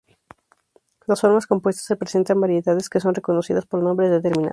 Las formas compuestas presentan variedades que son reconocidas por nombres determinados.